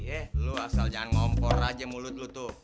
eh lu asal jangan ngompor aja mulut lu tuh